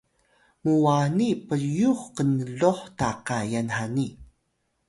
muwani pyux knluh ta kayan hani